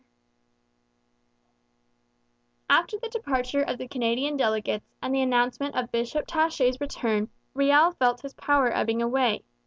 After the departure of the Canadian delegates and the announcement of Bishop Taché's return, Riel felt his power ebbing away.